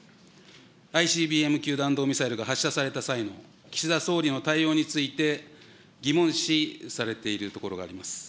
ＩＣＢＭ級弾道ミサイルが発射された際の岸田総理の対応について、疑問視されているところがあります。